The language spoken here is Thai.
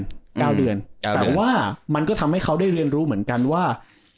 เก้าเดือนแต่ว่ามันก็ทำให้เขาได้เรียนรู้เหมือนกันว่า